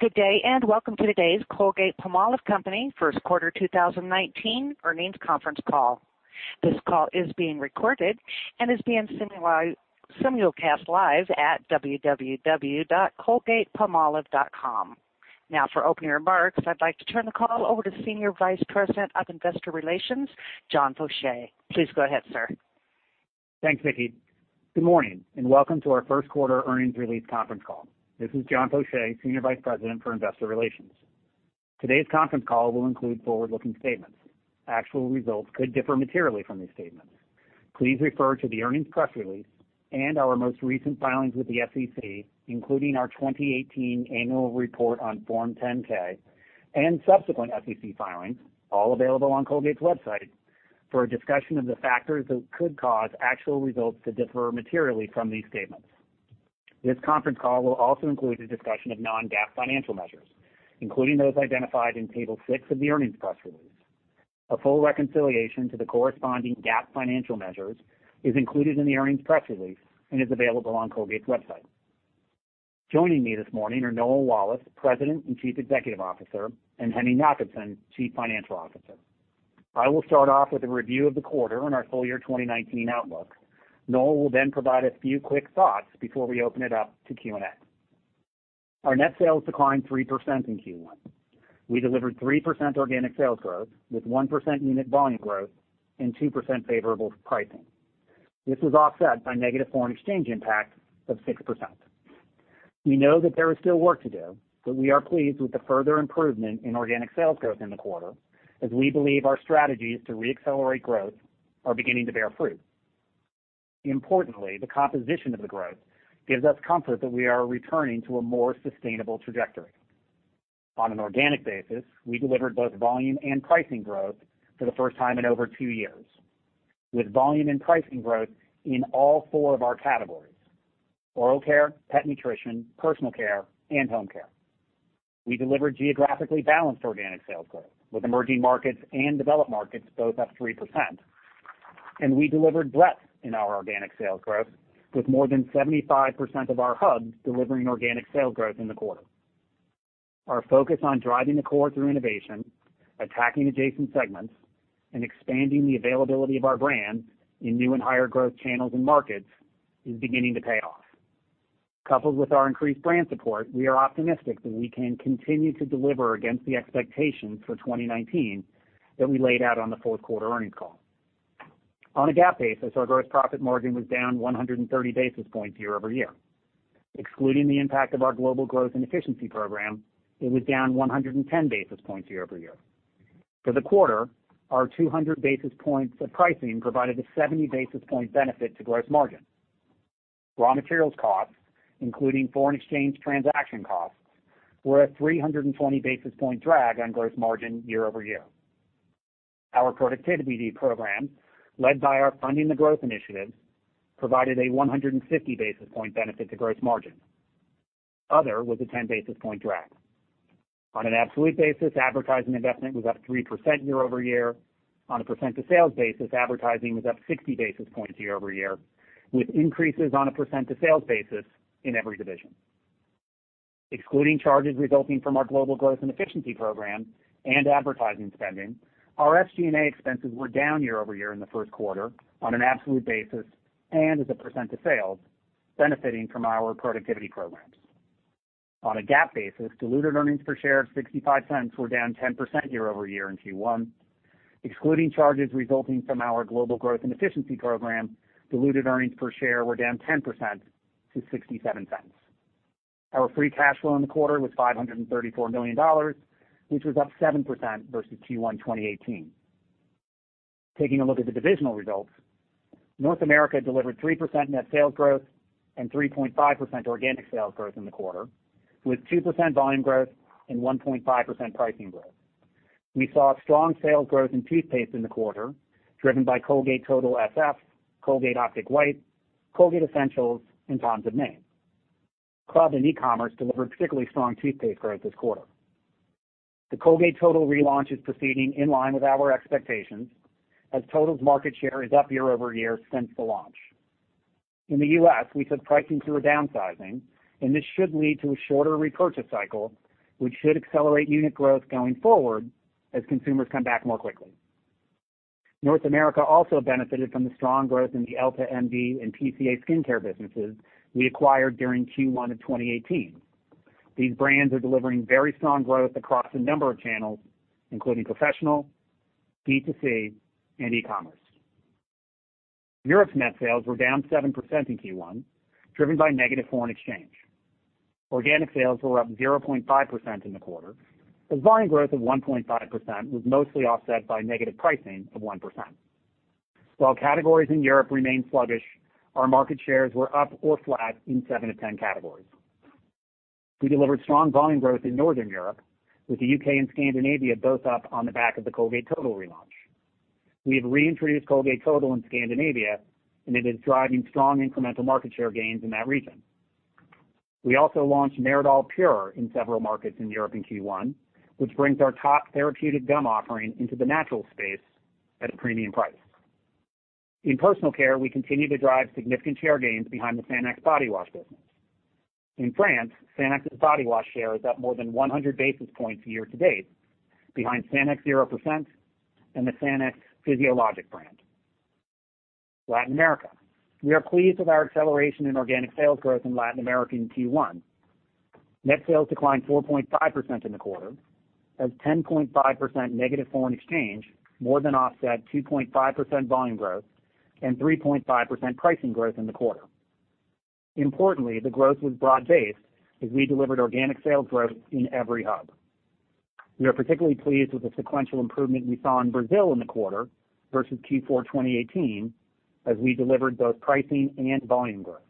Good day. Welcome to today's Colgate-Palmolive Company first quarter 2019 earnings conference call. This call is being recorded and is being simulcast live at www.colgatepalmolive.com. For opening remarks, I'd like to turn the call over to Senior Vice President of Investor Relations, John Faucher. Please go ahead, sir. Thanks, Nikki. Good morning. Welcome to our first quarter earnings release conference call. This is John Faucher, Senior Vice President for Investor Relations. Today's conference call will include forward-looking statements. Actual results could differ materially from these statements. Please refer to the earnings press release and our most recent filings with the SEC, including our 2018 annual report on Form 10-K and subsequent SEC filings, all available on Colgate's website, for a discussion of the factors that could cause actual results to differ materially from these statements. This conference call will also include a discussion of non-GAAP financial measures, including those identified in Table six of the earnings press release. A full reconciliation to the corresponding GAAP financial measures is included in the earnings press release and is available on Colgate's website. Joining me this morning are Noel Wallace, President and Chief Executive Officer, and Henning Jakobsen, Chief Financial Officer. I will start off with a review of the quarter and our full-year 2019 outlook. Noel will provide a few quick thoughts before we open it up to Q&A. Our net sales declined 3% in Q1. We delivered 3% organic sales growth with 1% unit volume growth and 2% favorable pricing. This was offset by negative foreign exchange impact of 6%. We know that there is still work to do. We are pleased with the further improvement in organic sales growth in the quarter as we believe our strategies to re-accelerate growth are beginning to bear fruit. Importantly, the composition of the growth gives us comfort that we are returning to a more sustainable trajectory. On an organic basis, we delivered both volume and pricing growth for the first time in over two years, with volume and pricing growth in all four of our categories: oral care, pet nutrition, personal care, and home care. We delivered geographically balanced organic sales growth with emerging markets and developed markets both up 3%. We delivered breadth in our organic sales growth with more than 75% of our hubs delivering organic sales growth in the quarter. Our focus on driving the core through innovation, attacking adjacent segments, and expanding the availability of our brands in new and higher growth channels and markets is beginning to pay off. Coupled with our increased brand support, we are optimistic that we can continue to deliver against the expectations for 2019 that we laid out on the fourth quarter earnings call. On a GAAP basis, our gross profit margin was down 130 basis points year-over-year. Excluding the impact of our Global Growth and Efficiency Program, it was down 110 basis points year-over-year. For the quarter, our 200 basis points of pricing provided a 70 basis point benefit to gross margin. Raw materials costs, including foreign exchange transaction costs, were a 320 basis point drag on gross margin year-over-year. Our productivity program, led by our Funding the Growth initiative, provided a 150 basis point benefit to gross margin. Other was a ten basis point drag. On an absolute basis, advertising investment was up 3% year-over-year. On a percent to sales basis, advertising was up 60 basis points year-over-year, with increases on a percent to sales basis in every division. Excluding charges resulting from our Global Growth and Efficiency Program and advertising spending, our SG&A expenses were down year-over-year in the first quarter on an absolute basis and as a percent of sales benefiting from our productivity programs. On a GAAP basis, diluted earnings per share of $0.65 were down 10% year-over-year in Q1. Excluding charges resulting from our Global Growth and Efficiency Program, diluted earnings per share were down 10% to $0.67. Our free cash flow in the quarter was $534 million, which was up 7% versus Q1 2018. Taking a look at the divisional results, North America delivered 3% net sales growth and 3.5% organic sales growth in the quarter, with 2% volume growth and 1.5% pricing growth. We saw strong sales growth in toothpaste in the quarter, driven by Colgate Total SF, Colgate Optic White, Colgate Essentials, and Tom's of Maine. Club and e-commerce delivered particularly strong toothpaste growth this quarter. The Colgate Total relaunch is proceeding in line with our expectations as Total's market share is up year-over-year since the launch. In the U.S., we took pricing through a downsizing, and this should lead to a shorter repurchase cycle, which should accelerate unit growth going forward as consumers come back more quickly. North America also benefited from the strong growth in the EltaMD and PCA Skin businesses we acquired during Q1 of 2018. These brands are delivering very strong growth across a number of channels, including professional, B2C, and e-commerce. Europe's net sales were down 7% in Q1, driven by negative foreign exchange. Organic sales were up 0.5% in the quarter, with volume growth of 1.5% was mostly offset by negative pricing of 1%. While categories in Europe remain sluggish, our market shares were up or flat in seven-10 categories. We delivered strong volume growth in Northern Europe, with the U.K. and Scandinavia both up on the back of the Colgate Total relaunch. We have reintroduced Colgate Total in Scandinavia, and it is driving strong incremental market share gains in that region. We also launched meridol PUR in several markets in Europe in Q1, which brings our top therapeutic gum offering into the natural space at a premium price. In personal care, we continue to drive significant share gains behind the Sanex body wash business. In France, Sanex's body wash share is up more than 100 basis points year-to-date behind Sanex Zero% and the Sanex Physiologic brand. Latin America. We are pleased with our acceleration in organic sales growth in Latin America in Q1. Net sales declined 4.5% in the quarter as 10.5% negative foreign exchange more than offset 2.5% volume growth and 3.5% pricing growth in the quarter. Importantly, the growth was broad-based as we delivered organic sales growth in every hub. We are particularly pleased with the sequential improvement we saw in Brazil in the quarter versus Q4 2018 as we delivered both pricing and volume growth.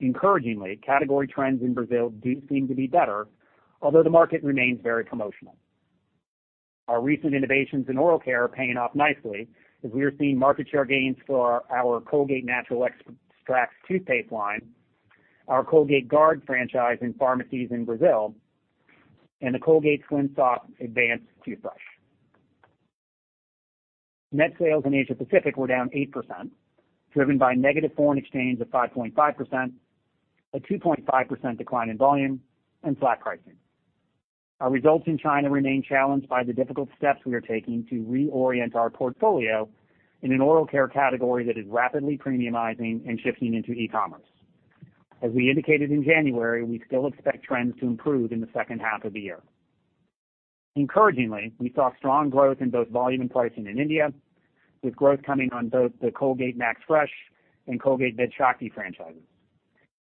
Encouragingly, category trends in Brazil do seem to be better, although the market remains very promotional. Our recent innovations in oral care are paying off nicely as we are seeing market share gains for our Colgate Natural Extracts toothpaste line, our Colgate Guard franchise in pharmacies in Brazil, and the Colgate SlimSoft Advanced toothbrush. Net sales in Asia Pacific were down 8%, driven by negative foreign exchange of 5.5%, a 2.5% decline in volume, and flat pricing. Our results in China remain challenged by the difficult steps we are taking to reorient our portfolio in an oral care category that is rapidly premiumizing and shifting into e-commerce. As we indicated in January, we still expect trends to improve in the second half of the year. Encouragingly, we saw strong growth in both volume and pricing in India, with growth coming on both the Colgate MaxFresh and Colgate Vedshakti franchises.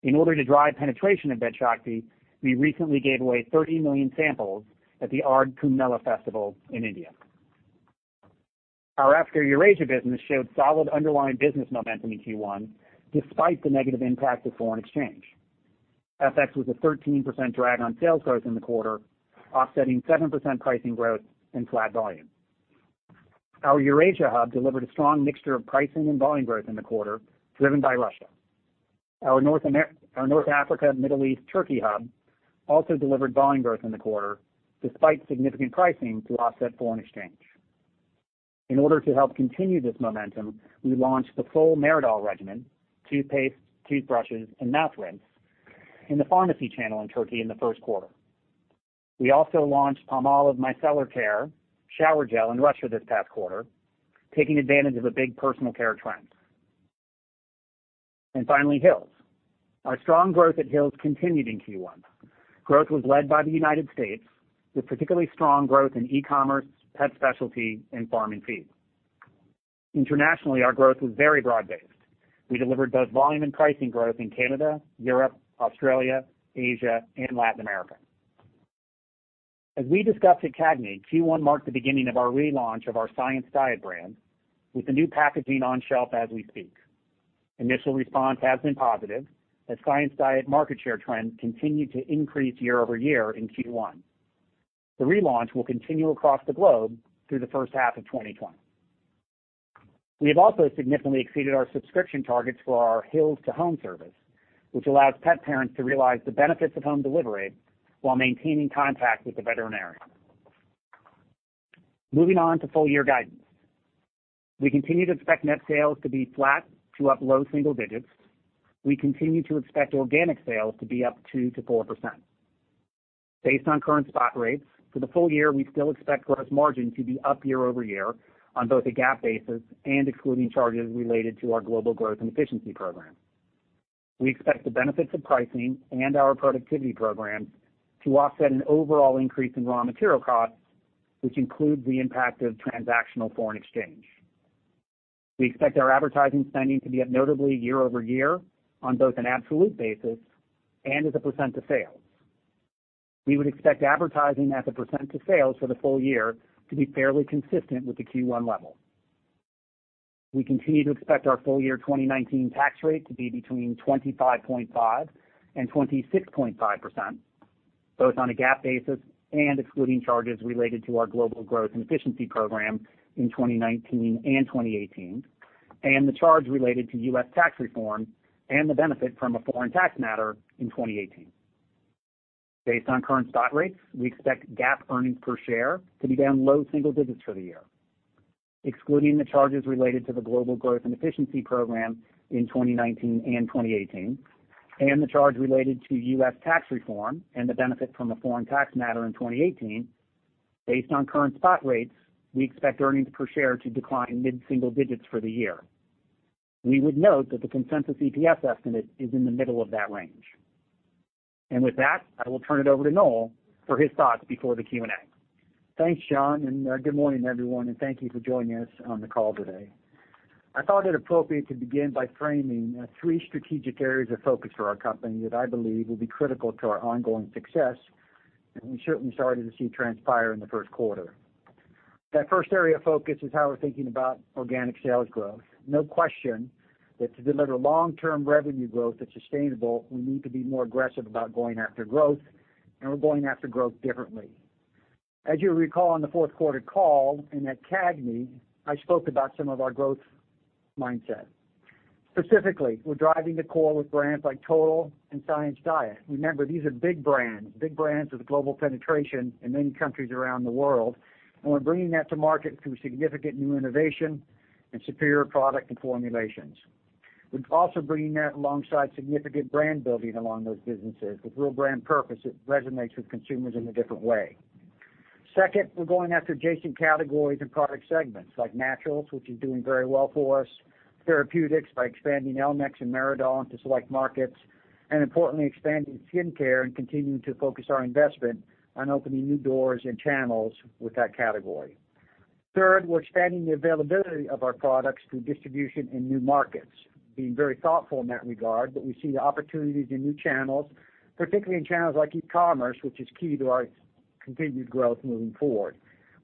In order to drive penetration of Vedshakti, we recently gave away 30 million samples at the Ardh Kumbh Mela festival in India. Our Africa/Eurasia business showed solid underlying business momentum in Q1 despite the negative impact of foreign exchange. FX was a 13% drag on sales growth in the quarter, offsetting 7% pricing growth and flat volume. Our Eurasia hub delivered a strong mixture of pricing and volume growth in the quarter, driven by Russia. Our North Africa, Middle East, Turkey hub also delivered volume growth in the quarter despite significant pricing to offset foreign exchange. In order to help continue this momentum, we launched the full meridol regimen, toothpaste, toothbrushes, and mouth rinse in the pharmacy channel in Turkey in the first quarter. We also launched Palmolive Micellar Care shower gel in Russia this past quarter, taking advantage of a big personal care trend. Finally, Hill's. Our strong growth at Hill's continued in Q1. Growth was led by the U.S., with particularly strong growth in e-commerce, pet specialty, and farm and feed. Internationally, our growth was very broad-based. We delivered both volume and pricing growth in Canada, Europe, Australia, Asia, and Latin America. As we discussed at CAGNY, Q1 marked the beginning of our relaunch of our Science Diet brand, with the new packaging on shelf as we speak. Initial response has been positive, as Science Diet market share trends continued to increase year-over-year in Q1. The relaunch will continue across the globe through the first half of 2020. We have also significantly exceeded our subscription targets for our Hill's to Home service, which allows pet parents to realize the benefits of home delivery while maintaining contact with the veterinarian. Moving on to full year guidance. We continue to expect net sales to be flat to up low single digits. We continue to expect organic sales to be up 2%-4%. Based on current spot rates, for the full year, we still expect gross margin to be up year-over-year on both a GAAP basis and excluding charges related to our Global Growth and Efficiency Program. We expect the benefits of pricing and our productivity programs to offset an overall increase in raw material costs, which include the impact of transactional foreign exchange. We expect our advertising spending to be up notably year-over-year on both an absolute basis and as a % of sales. We would expect advertising as a % of sales for the full year to be fairly consistent with the Q1 level. We continue to expect our full year 2019 tax rate to be between 25.5% and 26.5%, both on a GAAP basis and excluding charges related to our Global Growth and Efficiency Program in 2019 and 2018, and the charge related to U.S. tax reform and the benefit from a foreign tax matter in 2018. Based on current spot rates, we expect GAAP earnings per share to be down low single digits for the year, excluding the charges related to the Global Growth and Efficiency Program in 2019 and 2018 and the charge related to U.S. tax reform and the benefit from a foreign tax matter in 2018. Based on current spot rates, we expect earnings per share to decline mid-single digits for the year. We would note that the consensus EPS estimate is in the middle of that range. With that, I will turn it over to Noel for his thoughts before the Q&A. Thanks, John, good morning, everyone, thank you for joining us on the call today. I thought it appropriate to begin by framing three strategic areas of focus for our company that I believe will be critical to our ongoing success, we certainly started to see transpire in the first quarter. That first area of focus is how we're thinking about organic sales growth. No question that to deliver long-term revenue growth that's sustainable, we need to be more aggressive about going after growth, we're going after growth differently. As you recall on the fourth quarter call and at CAGNY, I spoke about some of our growth mindset. Specifically, we're driving the core with brands like Total and Science Diet. Remember, these are big brands. Big brands with global penetration in many countries around the world, we're bringing that to market through significant new innovation and superior product and formulations. We're also bringing that alongside significant brand building along those businesses with real brand purpose that resonates with consumers in a different way. Second, we're going after adjacent categories and product segments, like naturals, which is doing very well for us, therapeutics by expanding Elmex and meridol into select markets, importantly, expanding skin care and continuing to focus our investment on opening new doors and channels with that category. Third, we're expanding the availability of our products through distribution in new markets. Being very thoughtful in that regard, we see the opportunities in new channels, particularly in channels like e-commerce, which is key to our continued growth moving forward.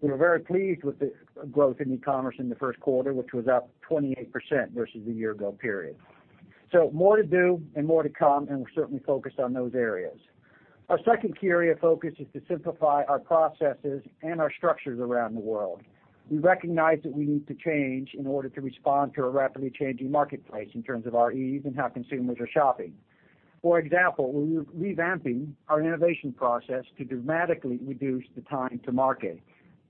We were very pleased with the growth in e-commerce in the first quarter, which was up 28% versus the year ago period. More to do and more to come, and we're certainly focused on those areas. Our second key area of focus is to simplify our processes and our structures around the world. We recognize that we need to change in order to respond to a rapidly changing marketplace in terms of our ease and how consumers are shopping. For example, we're revamping our innovation process to dramatically reduce the time to market.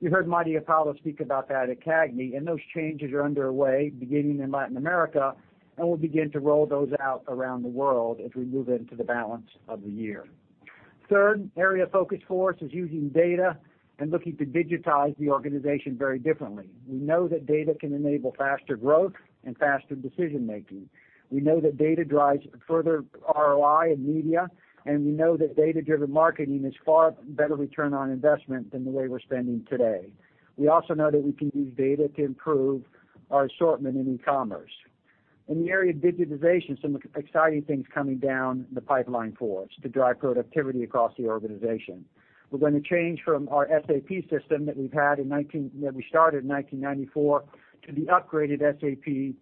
You heard Marty Apollo speak about that at CAGNY, and those changes are underway beginning in Latin America, and we'll begin to roll those out around the world as we move into the balance of the year. Third area of focus for us is using data and looking to digitize the organization very differently. We know that data can enable faster growth and faster decision-making. We know that data drives further ROI in media, and we know that data-driven marketing is far better return on investment than the way we're spending today. We also know that we can use data to improve our assortment in e-commerce. In the area of digitization, some exciting things coming down the pipeline for us to drive productivity across the organization. We're going to change from our SAP system that we started in 1994 to the upgraded SAP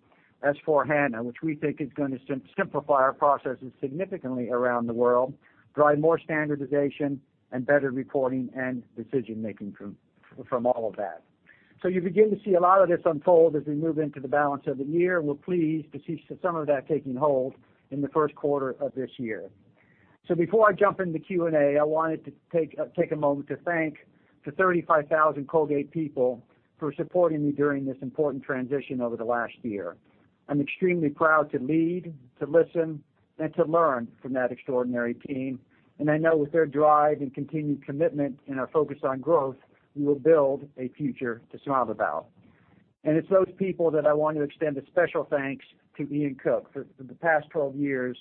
S/4HANA, which we think is going to simplify our processes significantly around the world, drive more standardization and better reporting and decision-making from all of that. You begin to see a lot of this unfold as we move into the balance of the year. We're pleased to see some of that taking hold in the first quarter of this year. Before I jump into Q&A, I wanted to take a moment to thank the 35,000 Colgate people for supporting me during this important transition over the last year. I'm extremely proud to lead, to listen, and to learn from that extraordinary team, and I know with their drive and continued commitment and our focus on growth, we will build a future to smile about. It's those people that I want to extend a special thanks to Ian Cook for the past 12 years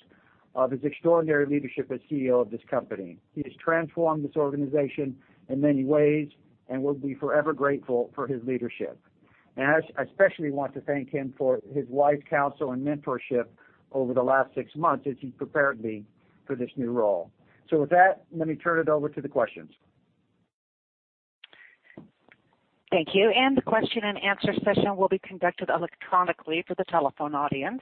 of his extraordinary leadership as CEO of this company. He has transformed this organization in many ways, and we'll be forever grateful for his leadership. I especially want to thank him for his wise counsel and mentorship over the last six months as he prepared me for this new role. With that, let me turn it over to the questions. Thank you. The question and answer session will be conducted electronically for the telephone audience.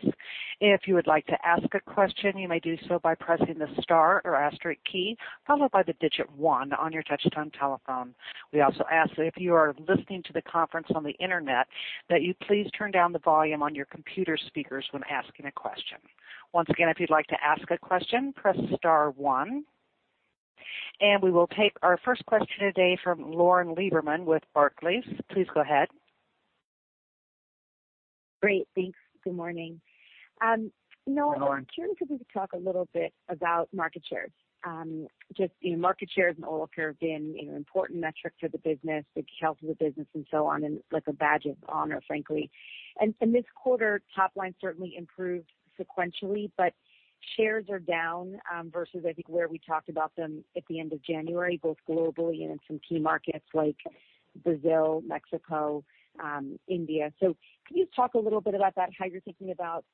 If you would like to ask a question, you may do so by pressing the star or asterisk key, followed by the digit 1 on your touchtone telephone. We also ask that if you are listening to the conference on the internet, that you please turn down the volume on your computer speakers when asking a question. Once again, if you'd like to ask a question, press star one. We will take our first question today from Lauren Lieberman with Barclays. Please go ahead. Great. Thanks. Good morning. Hi, Lauren. Noel, I'm curious if we could talk a little bit about market shares. Just market shares in oral care have been an important metric for the business, the health of the business and so on, like a badge of honor, frankly. This quarter, top line certainly improved sequentially, but shares are down, versus I think where we talked about them at the end of January, both globally and in some key markets like Brazil, Mexico, India. Can you just talk a little bit about that, how you're thinking about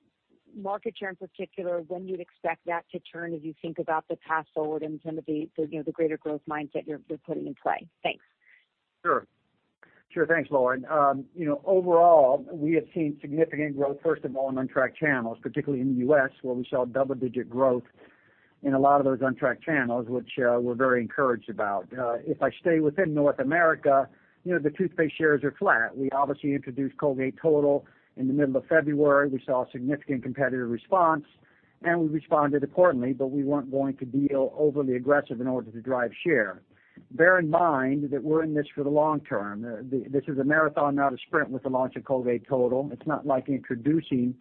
market share in particular, when you'd expect that to turn as you think about the path forward and some of the greater growth mindset you're putting in play? Thanks. Sure. Thanks, Lauren. Overall, we have seen significant growth, first of all, in on tracked channels, particularly in the U.S., where we saw double-digit growth in a lot of those on the tracked channels, which we're very encouraged about. If I stay within North America, the toothpaste shares are flat. We obviously introduced Colgate Total in the middle of February. We saw a significant competitive response, and we responded accordingly, but we weren't going to be overly aggressive in order to drive share. Bear in mind that we're in this for the long term. This is a marathon, not a sprint with the launch of Colgate Total. It's not like introducing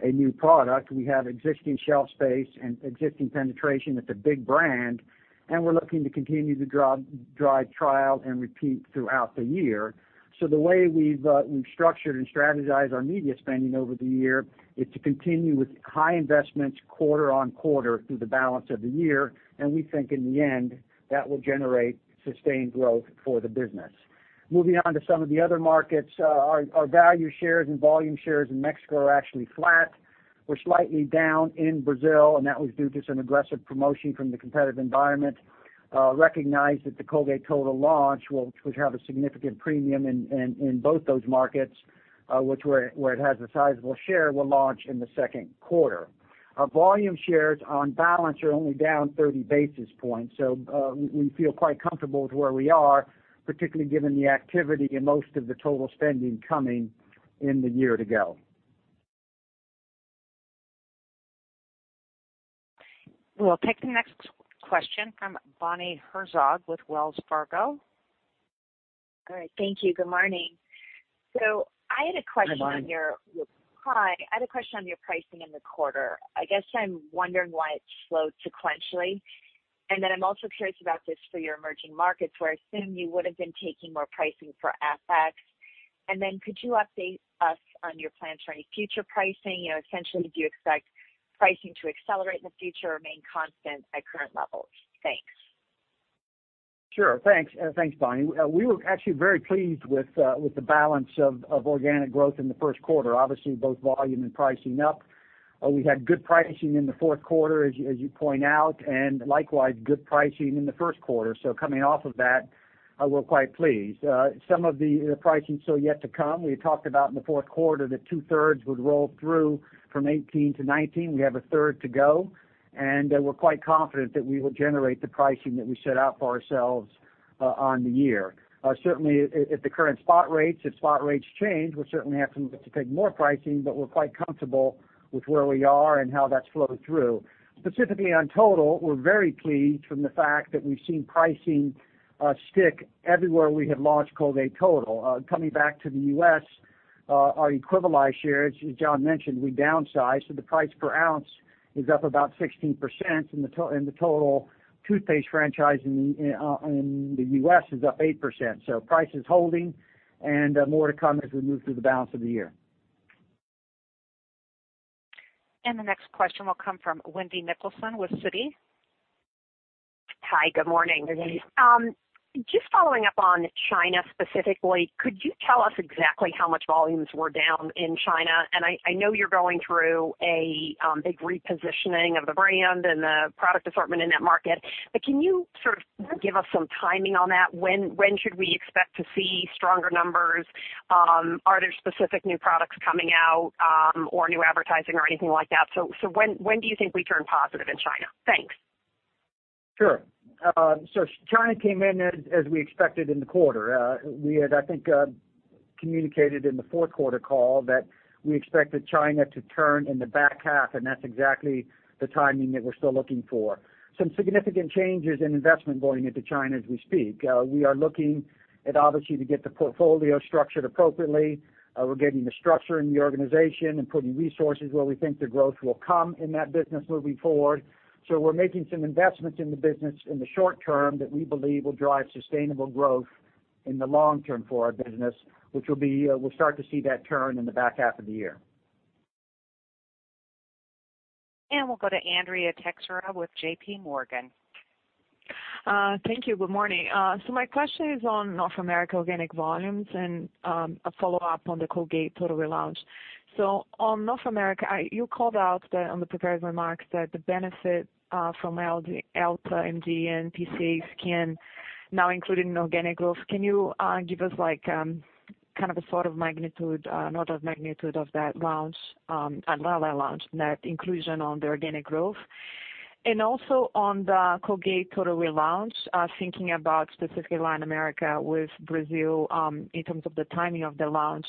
a new product. We have existing shelf space and existing penetration with a big brand, and we're looking to continue to drive trial and repeat throughout the year. The way we have structured and strategized our media spending over the year is to continue with high investments quarter on quarter through the balance of the year, and we think in the end, that will generate sustained growth for the business. Moving on to some of the other markets, our value shares and volume shares in Mexico are actually flat. We are slightly down in Brazil, and that was due to some aggressive promotion from the competitive environment. Recognize that the Colgate Total launch, which will have a significant premium in both those markets, where it has a sizable share, will launch in the second quarter. Our volume shares on balance are only down 30 basis points. We feel quite comfortable with where we are, particularly given the activity and most of the total spending coming in the year to go. We will take the next question from Bonnie Herzog with Wells Fargo. All right. Thank you. Good morning. Hi, Bonnie. I had a question on your pricing in the quarter. I guess I'm wondering why it slowed sequentially. I'm also curious about this for your emerging markets, where I assume you would've been taking more pricing for FX. Could you update us on your plans for any future pricing? Essentially, do you expect pricing to accelerate in the future or remain constant at current levels? Thanks. Sure. Thanks, Bonnie. We were actually very pleased with the balance of organic growth in the first quarter. Obviously, both volume and pricing up. We had good pricing in the fourth quarter, as you point out, and likewise good pricing in the first quarter. Coming off of that, we're quite pleased. Some of the pricing is still yet to come. We had talked about in the fourth quarter that two-thirds would roll through from 2018 to 2019. We have a third to go, and we're quite confident that we will generate the pricing that we set out for ourselves on the year. Certainly, at the current spot rates. If spot rates change, we certainly have to take more pricing, but we're quite comfortable with where we are and how that's flowed through. Specifically on Total, we're very pleased from the fact that we've seen pricing stick everywhere we have launched Colgate Total. Coming back to the U.S., our equivalized shares, as John mentioned, we downsized, so the price per ounce is up about 16%, and the Total toothpaste franchise in the U.S. is up 8%. Price is holding, and more to come as we move through the balance of the year. The next question will come from Wendy Nicholson with Citi. Hi, good morning. Good morning. Just following up on China specifically, could you tell us exactly how much volumes were down in China? I know you're going through a big repositioning of the brand and the product assortment in that market, can you sort of give us some timing on that? When should we expect to see stronger numbers? Are there specific new products coming out, or new advertising or anything like that? When do you think we turn positive in China? Thanks. Sure. China came in as we expected in the quarter. We had, I think, communicated in the fourth quarter call that we expected China to turn in the back half, that's exactly the timing that we're still looking for. Some significant changes in investment going into China as we speak. We are looking at, obviously, to get the portfolio structured appropriately. We're getting the structure in the organization and putting resources where we think the growth will come in that business moving forward. We're making some investments in the business in the short term that we believe will drive sustainable growth in the long term for our business, which we'll start to see that turn in the back half of the year. We'll go to Andrea Teixeira with JPMorgan. Thank you. Good morning. My question is on North America organic volumes and a follow-up on the Colgate Total relaunch. On North America, you called out on the prepared remarks that the benefit from EltaMD and PCA Skin now included in organic growth. Can you give us an order of magnitude of that inclusion on the organic growth? Also on the Colgate Total relaunch, thinking about specifically Latin America with Brazil, in terms of the timing of the launch.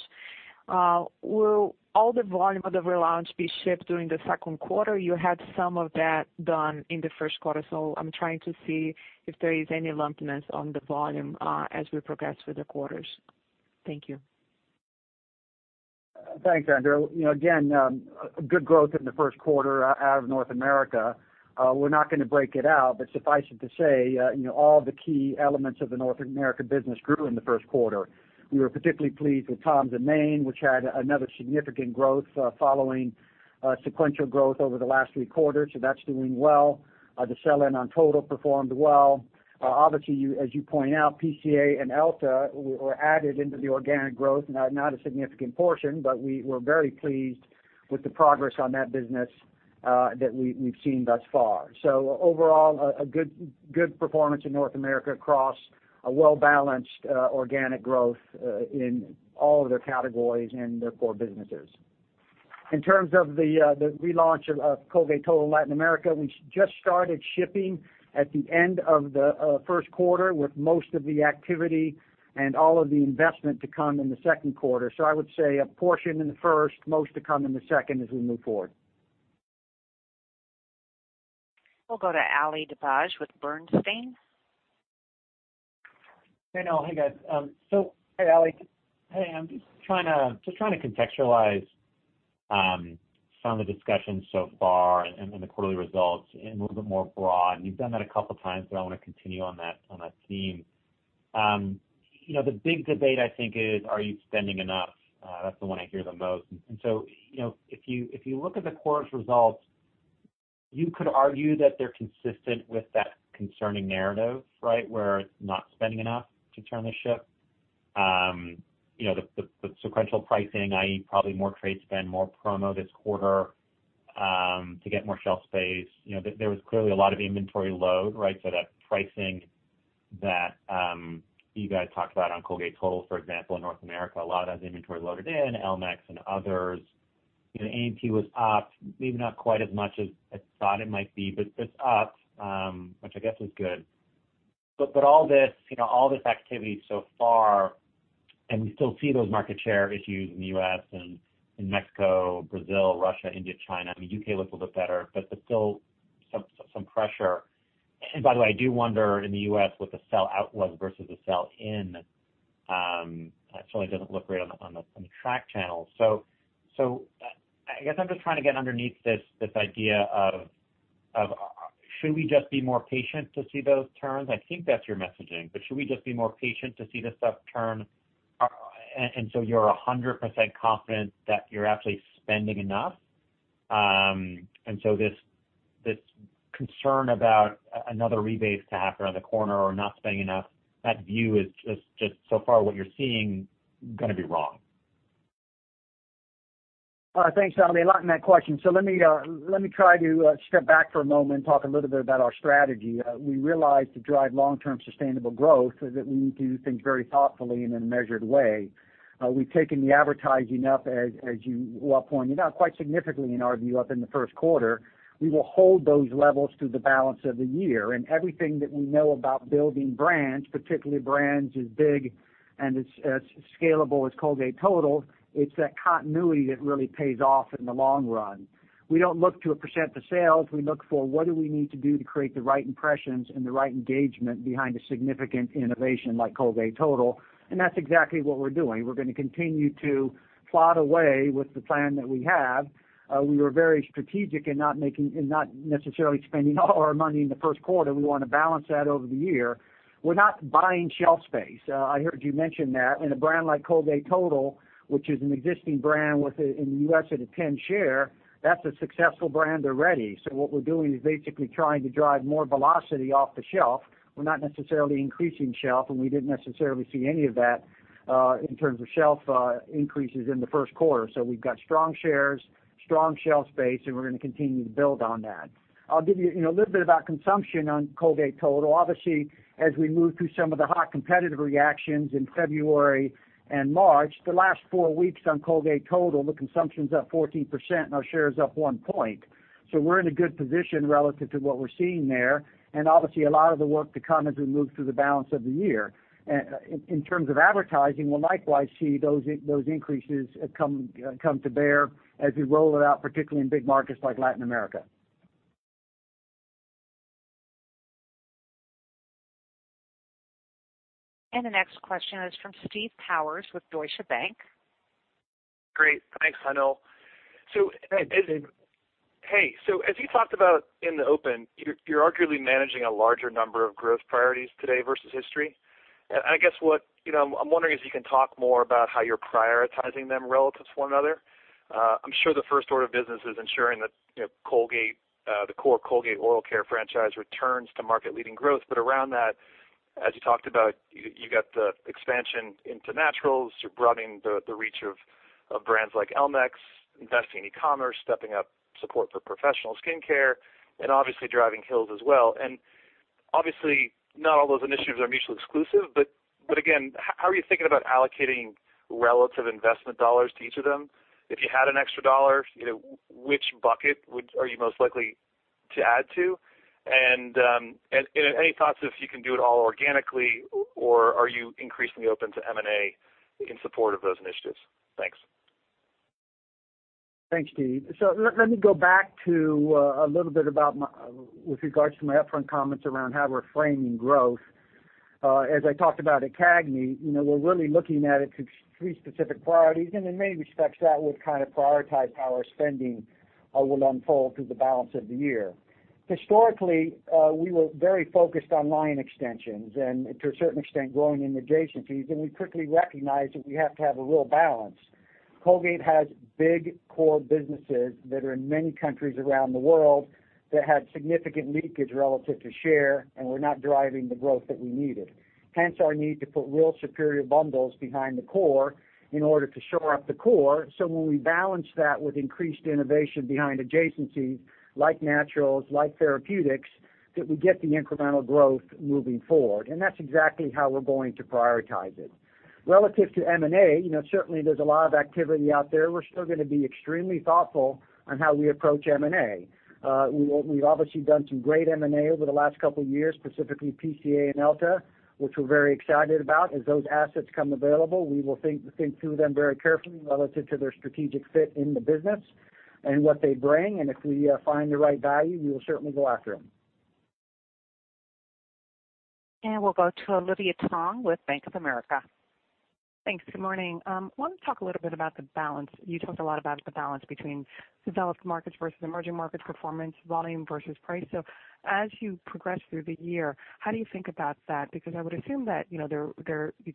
Will all the volume of the relaunch be shipped during the second quarter? You had some of that done in the first quarter, so I'm trying to see if there is any lumpiness on the volume as we progress through the quarters. Thank you. Thanks, Andrea. Again, good growth in the first quarter out of North America. We're not going to break it out, but suffice it to say, all the key elements of the North America business grew in the first quarter. We were particularly pleased with Tom's of Maine, which had another significant growth following sequential growth over the last three quarters, so that's doing well. The sell-in on Total performed well. Obviously, as you point out, PCA and Elta were added into the organic growth. Not a significant portion, but we were very pleased with the progress on that business that we've seen thus far. Overall, a good performance in North America across a well-balanced organic growth in all of their categories and their core businesses. In terms of the relaunch of Colgate Total Latin America, we just started shipping at the end of the first quarter, with most of the activity and all of the investment to come in the second quarter. I would say a portion in the first, most to come in the second as we move forward. We'll go to Ali Dibadj with Bernstein. Hey, Noel. Hey, guys. Hey, Ali. Hey, I'm just trying to contextualize some of the discussions so far and the quarterly results in a little bit more broad. You've done that a couple of times, but I want to continue on that theme. The big debate, I think is, are you spending enough? That's the one I hear the most. If you look at the quarter's results, you could argue that they're consistent with that concerning narrative, right? Where it's not spending enough to turn the ship. The sequential pricing, i.e., probably more trade spend, more promo this quarter, to get more shelf space. There was clearly a lot of inventory load, right? That pricing that you guys talked about on Colgate Total, for example, in North America, a lot of that inventory loaded in Elmex and others. A&P was up, maybe not quite as much as I thought it might be, but it's up, which I guess is good. All this activity so far, and we still see those market share issues in the U.S. and in Mexico, Brazil, Russia, India, China. U.K. looks a little bit better, but still some pressure. By the way, I do wonder in the U.S. what the sell out was versus the sell-in. It certainly doesn't look great on the tracked channel. I guess I'm just trying to get underneath this idea of, should we just be more patient to see those turns? I think that's your messaging. Should we just be more patient to see this stuff turn, and so you're 100% confident that you're actually spending enough? This concern about another rebates to happen around the corner or not spending enough, that view is just so far what you're seeing going to be wrong. Thanks, Ali. A lot in that question. Let me try to step back for a moment and talk a little bit about our strategy. We realized to drive long-term sustainable growth is that we need to do things very thoughtfully and in a measured way. We've taken the advertising up, as you all pointed out, quite significantly in our view, up in the first quarter. We will hold those levels through the balance of the year. Everything that we know about building brands, particularly brands as big and as scalable as Colgate Total, it's that continuity that really pays off in the long run. We don't look to a % of sales. We look for what do we need to do to create the right impressions and the right engagement behind a significant innovation like Colgate Total, that's exactly what we're doing. We're going to continue to plod away with the plan that we have. We were very strategic in not necessarily spending all our money in the first quarter. We want to balance that over the year. We're not buying shelf space. I heard you mention that. In a brand like Colgate Total, which is an existing brand in the U.S. at a 10 share, that's a successful brand already. What we're doing is basically trying to drive more velocity off the shelf. We're not necessarily increasing shelf, we didn't necessarily see any of that in terms of shelf increases in the first quarter. We've got strong shares, strong shelf space, we're going to continue to build on that. I'll give you a little bit about consumption on Colgate Total. As we move through some of the hot competitive reactions in February and March, the last four weeks on Colgate Total, the consumption's up 14% and our share is up one point. We're in a good position relative to what we're seeing there, and obviously a lot of the work to come as we move through the balance of the year. In terms of advertising, we'll likewise see those increases come to bear as we roll it out, particularly in big markets like Latin America. The next question is from Steve Powers with Deutsche Bank. Great. Thanks, Hanul. Hey. As you talked about in the open, you're arguably managing a larger number of growth priorities today versus history. I guess what I'm wondering is if you can talk more about how you're prioritizing them relative to one another. I'm sure the first order of business is ensuring that the core Colgate oral care franchise returns to market-leading growth. Around that, as you talked about, you got the expansion into naturals. You're broadening the reach of brands like Elmex, investing in e-commerce, stepping up support for professional skincare, and obviously driving Hill's as well. Obviously, not all those initiatives are mutually exclusive. Again, how are you thinking about allocating relative investment dollars to each of them? If you had an extra dollar, which bucket are you most likely to add to? Any thoughts if you can do it all organically, or are you increasingly open to M&A in support of those initiatives? Thanks. Thanks, Steve. Let me go back to a little bit with regards to my upfront comments around how we're framing growth. As I talked about at CAGNY, we're really looking at it through three specific priorities, and in many respects, that would kind of prioritize how our spending will unfold through the balance of the year. Historically, we were very focused on line extensions and to a certain extent, growing adjacencies, and we quickly recognized that we have to have a real balance. Colgate has big core businesses that are in many countries around the world that had significant leakage relative to share, and were not driving the growth that we needed, hence our need to put real superior bundles behind the core in order to shore up the core. When we balance that with increased innovation behind adjacencies like naturals, like therapeutics, that we get the incremental growth moving forward. That's exactly how we're going to prioritize it. Relative to M&A, certainly there's a lot of activity out there. We're still going to be extremely thoughtful on how we approach M&A. We've obviously done some great M&A over the last couple of years, specifically PCA and Elta, which we're very excited about. As those assets come available, we will think through them very carefully relative to their strategic fit in the business and what they bring. If we find the right value, we will certainly go after them. We'll go to Olivia Tong with Bank of America. Thanks. Good morning. I wanted to talk a little bit about the balance. You talked a lot about the balance between developed markets versus emerging markets performance, volume versus price. As you progress through the year, how do you think about that? Because I would assume that you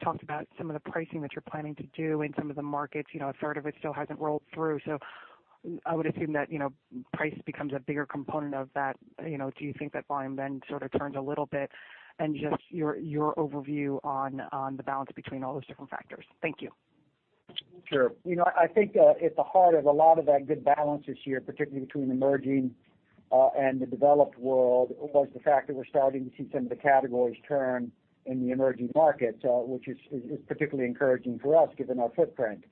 talked about some of the pricing that you're planning to do in some of the markets, a third of it still hasn't rolled through. I would assume that price becomes a bigger component of that. Do you think that volume then sort of turns a little bit? Just your overview on the balance between all those different factors. Thank you. Sure. I think at the heart of a lot of that good balance this year, particularly between emerging and the developed world, was the fact that we're starting to see some of the categories turn in the emerging markets, which is particularly encouraging for us given our footprint.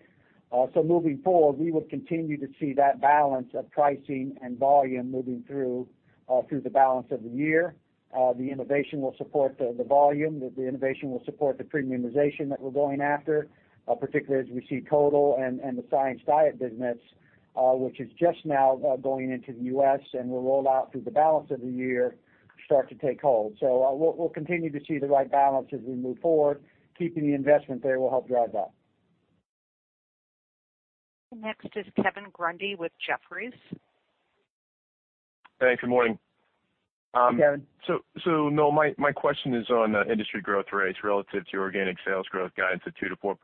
Moving forward, we would continue to see that balance of pricing and volume moving through the balance of the year. The innovation will support the volume. The innovation will support the premiumization that we're going after, particularly as we see Total and the Science Diet business, which is just now going into the U.S. and will roll out through the balance of the year, start to take hold. We'll continue to see the right balance as we move forward. Keeping the investment there will help drive that. Next is Kevin Grundy with Jefferies. Thanks. Good morning. Hey, Kevin. Noel, my question is on industry growth rates relative to organic sales growth guidance of 2%-4%.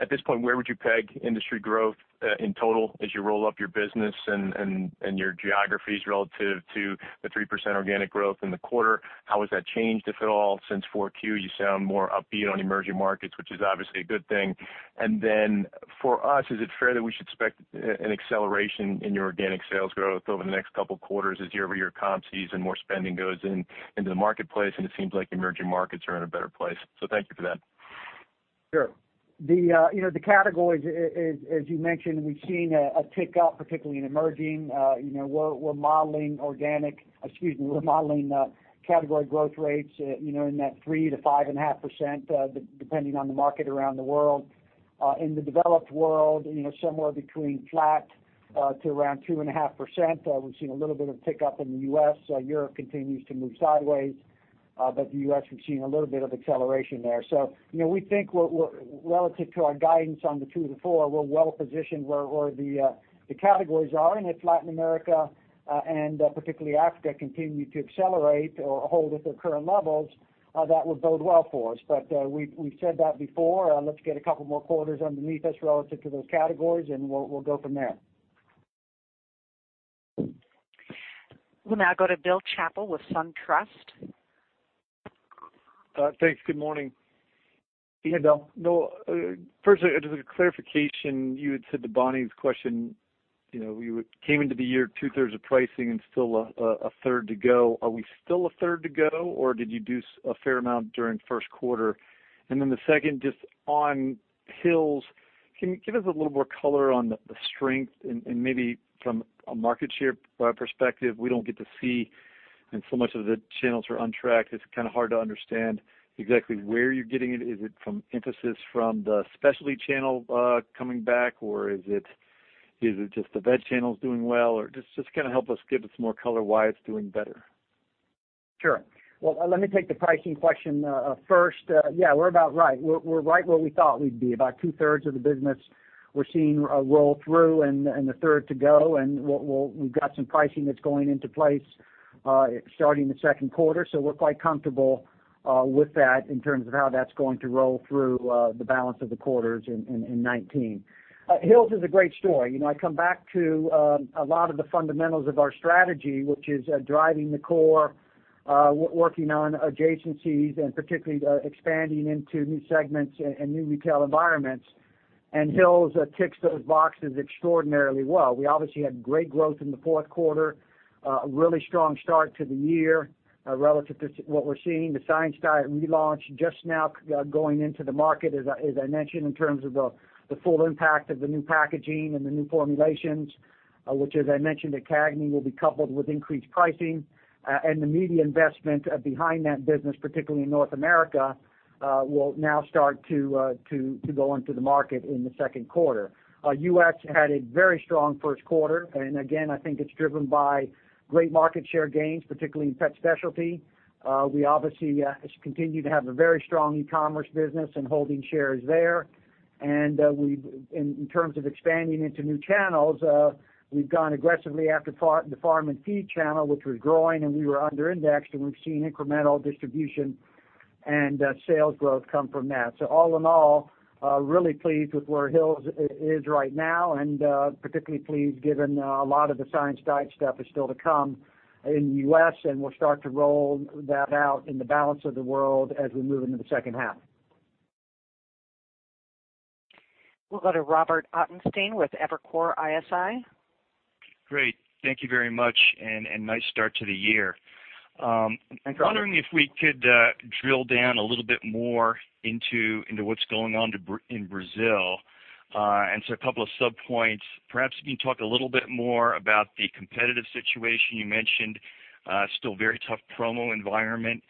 At this point, where would you peg industry growth in total as you roll up your business and your geographies relative to the 3% organic growth in the quarter? How has that changed, if at all, since 4Q? You sound more upbeat on emerging markets, which is obviously a good thing. Then for us, is it fair that we should expect an acceleration in your organic sales growth over the next couple quarters as year-over-year comp season more spending goes into the marketplace, and it seems like emerging markets are in a better place. Thank you for that. Sure. The categories, as you mentioned, we've seen a tick up, particularly in emerging. We're modeling category growth rates in that 3%-5.5%, depending on the market around the world. In the developed world, somewhere between flat to around 2.5%. We've seen a little bit of tick up in the U.S. Europe continues to move sideways. The U.S., we've seen a little bit of acceleration there. We think relative to our guidance on the 2%-4%, we're well positioned where the categories are. If Latin America and particularly Africa continue to accelerate or hold at their current levels, that would bode well for us. We've said that before. Let's get a couple more quarters underneath us relative to those categories, and we'll go from there. We'll now go to Bill Chappell with SunTrust. Thanks. Good morning. Hey, Bill. Noel, firstly, just a clarification. You had said to Bonnie's question, you came into the year two-thirds of pricing and still a third to go. Are we still a third to go, or did you do a fair amount during first quarter? Then the second, just on Hill's, can you give us a little more color on the strength and maybe from a market share perspective? We don't get to see, and so much of the channels are on track, it's kind of hard to understand exactly where you're getting it. Is it from emphasis from the specialty channel coming back, or is it just the vet channels doing well? Just help us give us more color why it's doing better. Sure. Let me take the pricing question first. We're about right. We're right where we thought we'd be, about two-thirds of the business we're seeing roll through and a third to go, and we've got some pricing that's going into place starting the second quarter. We're quite comfortable with that in terms of how that's going to roll through the balance of the quarters in 2019. Hill's is a great story. I come back to a lot of the fundamentals of our strategy, which is driving the core, working on adjacencies, and particularly expanding into new segments and new retail environments. Hill's ticks those boxes extraordinarily well. We obviously had great growth in the fourth quarter, a really strong start to the year relative to what we're seeing. The Science Diet relaunch just now going into the market, as I mentioned, in terms of the full impact of the new packaging and the new formulations, which, as I mentioned at CAGNY, will be coupled with increased pricing. The media investment behind that business, particularly in North America, will now start to go into the market in the second quarter. U.S. had a very strong first quarter, and again, I think it's driven by great market share gains, particularly in pet specialty. We obviously continue to have a very strong e-commerce business and holding shares there. In terms of expanding into new channels, we've gone aggressively after the farm and feed channel, which was growing, and we were under-indexed, and we've seen incremental distribution and sales growth come from that. All in all, really pleased with where Hill's is right now and particularly pleased given a lot of the Science Diet stuff is still to come in the U.S., and we'll start to roll that out in the balance of the world as we move into the second half. We'll go to Robert Ottenstein with Evercore ISI. Great. Thank you very much. Nice start to the year. Thanks, Robert. I'm wondering if we could drill down a little bit more into what's going on in Brazil. A couple of sub-points. Perhaps you can talk a little bit more about the competitive situation. You mentioned still very tough promo environment.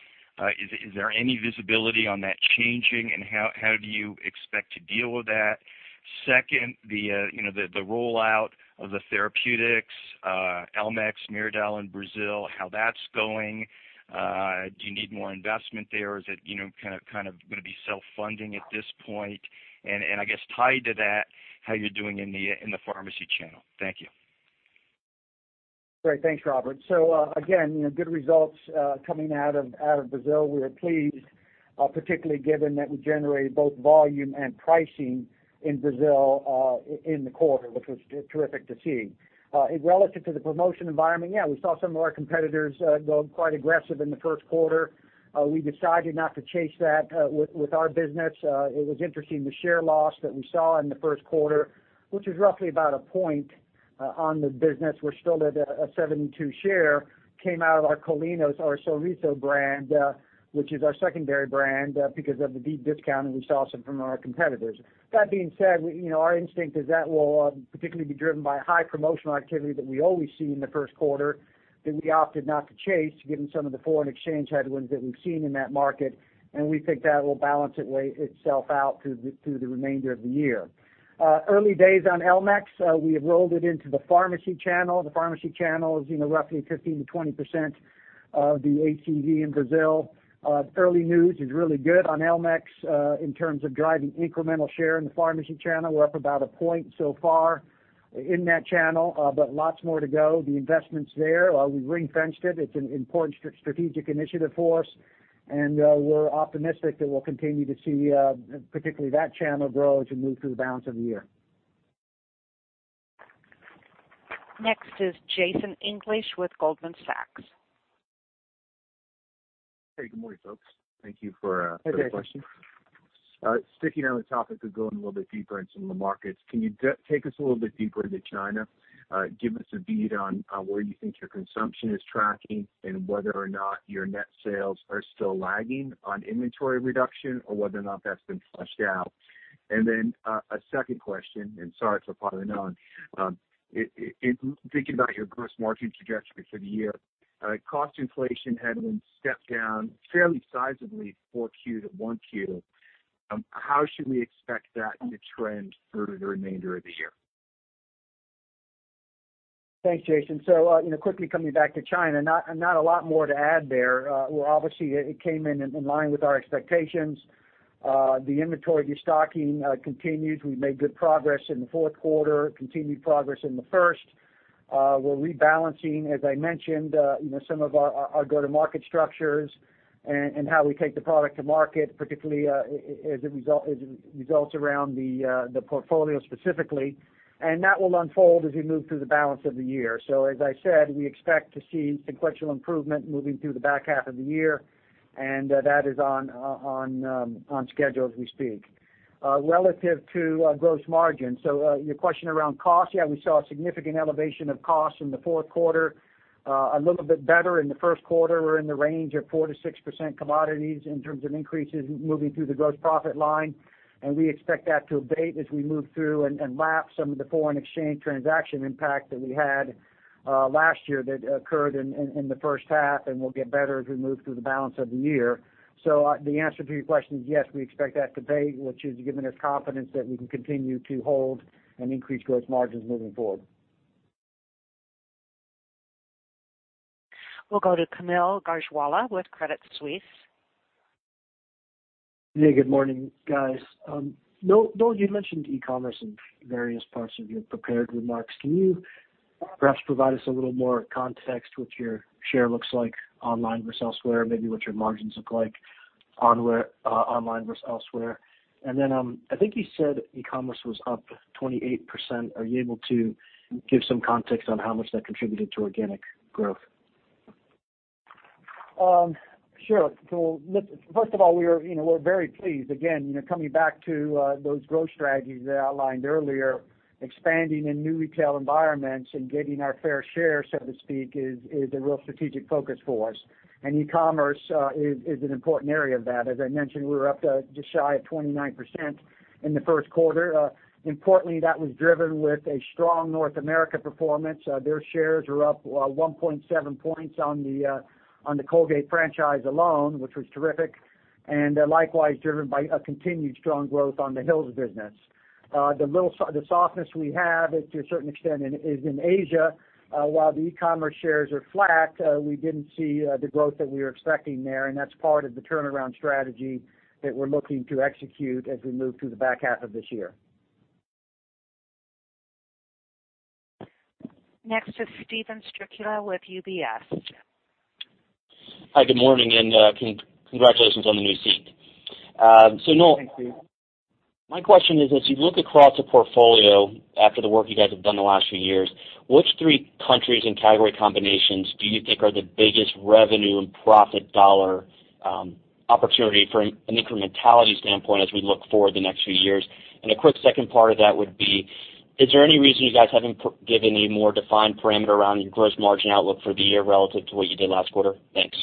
Is there any visibility on that changing, and how do you expect to deal with that? Second, the rollout of the therapeutics, Elmex, meridol in Brazil, how that's going. Do you need more investment there, or is it going to be self-funding at this point? And I guess tied to that, how you're doing in the pharmacy channel. Thank you. Great. Thanks, Robert. Again, good results coming out of Brazil. We are pleased, particularly given that we generated both volume and pricing in Brazil in the quarter, which was terrific to see. Relative to the promotion environment, yeah, we saw some of our competitors go quite aggressive in the first quarter. We decided not to chase that with our business. It was interesting, the share loss that we saw in the first quarter, which was roughly about a point on the business, we're still at a 72 share, came out of our Kolynos, our Sorriso brand, which is our secondary brand, because of the deep discounting we saw from our competitors. That being said, our instinct is that will particularly be driven by high promotional activity that we always see in the first quarter, that we opted not to chase, given some of the foreign exchange headwinds that we've seen in that market, and we think that will balance itself out through the remainder of the year. Early days on Elmex. We have rolled it into the pharmacy channel. The pharmacy channel is roughly 15%-20% of the ACV in Brazil. Early news is really good on Elmex, in terms of driving incremental share in the pharmacy channel. We're up about a point so far in that channel, but lots more to go. The investment's there. We've ring-fenced it. It's an important strategic initiative for us, and we're optimistic that we'll continue to see, particularly that channel grow as we move through the balance of the year. Next is Jason English with Goldman Sachs. Hey, good morning, folks. Thank you for the question. Hey, Jason. Sticking on the topic of going a little bit deeper into the markets, can you take us a little bit deeper into China? Give us a bead on where you think your consumption is tracking, and whether or not your net sales are still lagging on inventory reduction, or whether or not that's been flushed out. A second question, and sorry for piling on. In thinking about your gross margin trajectory for the year, cost inflation had been stepped down fairly sizably 4Q to 1Q. How should we expect that to trend through the remainder of the year? Thanks, Jason. Quickly coming back to China, not a lot more to add there. Obviously, it came in inline with our expectations. The inventory de-stocking continues. We made good progress in the fourth quarter, continued progress in the first. We're rebalancing, as I mentioned, some of our go-to-market structures and how we take the product to market, particularly as it results around the portfolio specifically, and that will unfold as we move through the balance of the year. As I said, we expect to see sequential improvement moving through the back half of the year, and that is on schedule as we speak. Relative to gross margin, so your question around cost, yeah, we saw a significant elevation of costs in the fourth quarter. A little bit better in the first quarter. We're in the range of 4%-6% commodities in terms of increases moving through the gross profit line, we expect that to abate as we move through and lap some of the foreign exchange transaction impact that we had last year that occurred in the first half and will get better as we move through the balance of the year. The answer to your question is yes, we expect that to abate, which is giving us confidence that we can continue to hold and increase gross margins moving forward. We'll go to Kaumil Gajrawala with Credit Suisse. Hey, good morning, guys. Noel, you mentioned e-commerce in various parts of your prepared remarks. Can you perhaps provide us a little more context what your share looks like online versus elsewhere? Maybe what your margins look like online versus elsewhere. I think you said e-commerce was up 28%. Are you able to give some context on how much that contributed to organic growth? Sure. First of all, we're very pleased. Again, coming back to those growth strategies that I outlined earlier, expanding in new retail environments and getting our fair share, so to speak, is a real strategic focus for us. E-commerce is an important area of that. As I mentioned, we were up just shy of 29% in the first quarter. Importantly, that was driven with a strong North America performance. Their shares are up 1.7 points on the Colgate franchise alone, which was terrific, and likewise driven by a continued strong growth on the Hill's business. The softness we have, to a certain extent, is in Asia. While the e-commerce shares are flat, we didn't see the growth that we were expecting there, and that's part of the turnaround strategy that we're looking to execute as we move through the back half of this year. Next is Steven Strycula with UBS. Hi, good morning, congratulations on the new seat. Thank you. Noel, my question is, as you look across the portfolio after the work you guys have done the last few years, which three countries and category combinations do you think are the biggest revenue and profit dollar opportunity from an incrementality standpoint as we look forward the next few years? A quick second part of that would be, is there any reason you guys haven't given a more defined parameter around your gross margin outlook for the year relative to what you did last quarter? Thanks.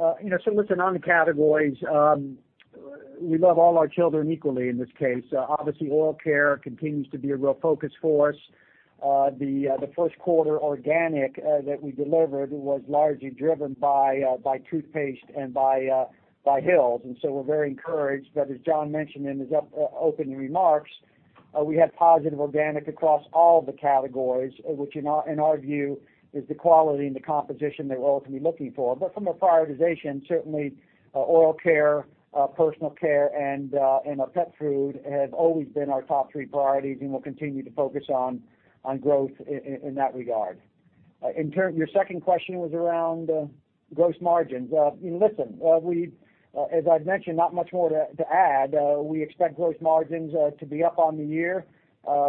Listen, on the categories, we love all our children equally in this case. Obviously, oral care continues to be a real focus for us. The first quarter organic that we delivered was largely driven by toothpaste and by Hill's. We're very encouraged. As John mentioned in his opening remarks, we had positive organic across all the categories, which in our view is the quality and the composition that we're ultimately looking for. From a prioritization, certainly oral care, personal care, and pet food have always been our top three priorities and will continue to focus on growth in that regard. Your second question was around gross margins. Listen, as I've mentioned, not much more to add. We expect gross margins to be up on the year.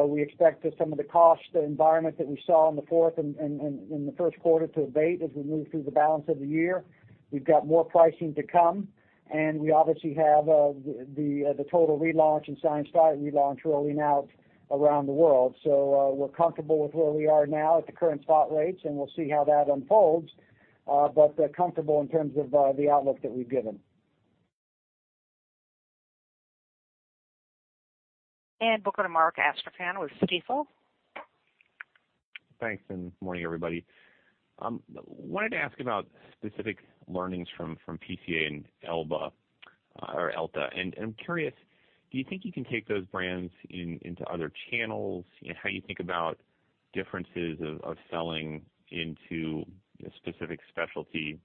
We expect some of the cost environment that we saw in the fourth and in the first quarter to abate as we move through the balance of the year. We've got more pricing to come, and we obviously have the Colgate Total relaunch and Science Diet relaunch rolling out around the world. We're comfortable with where we are now at the current spot rates, and we'll see how that unfolds. Comfortable in terms of the outlook that we've given. Over to Mark Astrachan with Stifel. Thanks, morning everybody. Wanted to ask about specific learnings from PCA and Elta. I'm curious, do you think you can take those brands into other channels? How you think about differences of selling into a specific specialty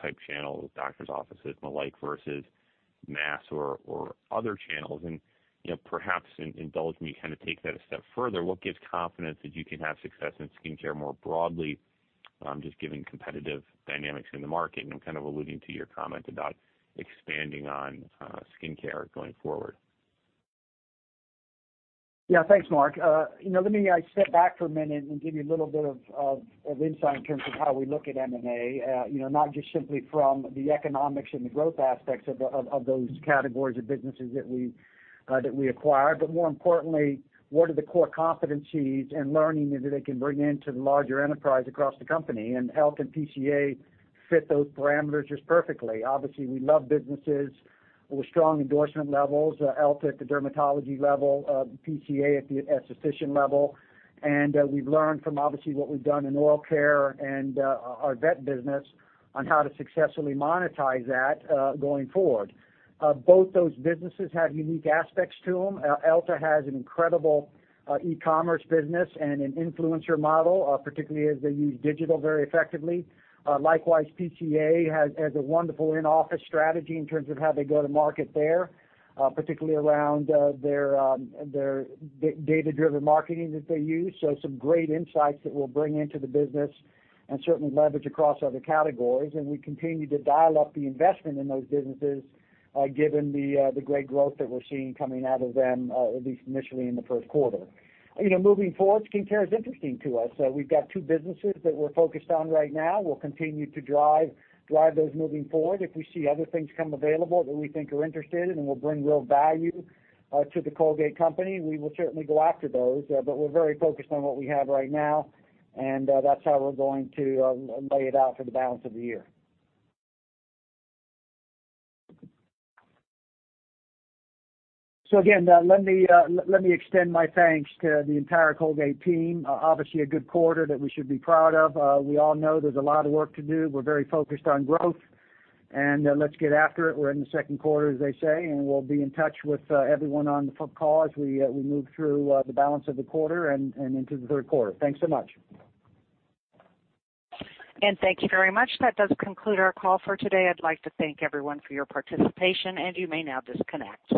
type channel, doctor's offices and the like, versus mass or other channels. Perhaps indulge me, take that a step further. What gives confidence that you can have success in skincare more broadly, just given competitive dynamics in the market? I'm alluding to your comment about expanding on skincare going forward. Yeah. Thanks, Mark. Let me step back for a minute and give you a little bit of insight in terms of how we look at M&A. Not just simply from the economics and the growth aspects of those categories of businesses that we acquire, but more importantly, what are the core competencies and learning that they can bring into the larger enterprise across the company. Elta and PCA fit those parameters just perfectly. Obviously, we love businesses with strong endorsement levels, Elta at the dermatology level, PCA at the esthetician level. We've learned from obviously what we've done in oral care and our vet business on how to successfully monetize that going forward. Both those businesses have unique aspects to them. Elta has an incredible e-commerce business and an influencer model, particularly as they use digital very effectively. Likewise, PCA has a wonderful in-office strategy in terms of how they go to market there, particularly around their data-driven marketing that they use. Some great insights that we'll bring into the business and certainly leverage across other categories. We continue to dial up the investment in those businesses given the great growth that we're seeing coming out of them, at least initially in the first quarter. Moving forward, skincare is interesting to us. We've got two businesses that we're focused on right now. We'll continue to drive those moving forward. If we see other things come available that we think we're interested in and will bring real value to the Colgate Company, we will certainly go after those. We're very focused on what we have right now, and that's how we're going to lay it out for the balance of the year. Again, let me extend my thanks to the entire Colgate team. Obviously, it was a good quarter that we should be proud of. We all know there's a lot of work to do. We're very focused on growth, let's get after it. We're in the second quarter, as they say, we'll be in touch with everyone on the phone call as we move through the balance of the quarter and into the third quarter. Thanks so much. Thank you very much. That does conclude our call for today. I'd like to thank everyone for your participation, and you may now disconnect.